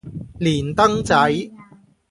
連登仔